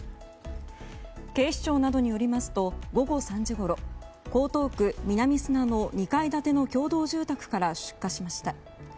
警視庁などによりますと午後３時ごろ江東区南砂の２階建ての共同住宅から出火しました。